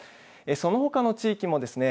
そのほかの地域もですね